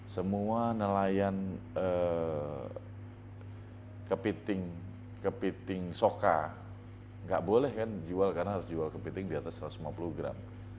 semua nelayan kepiting soka nggak boleh kan jual karena harus jual kepiting di atas satu ratus lima puluh gram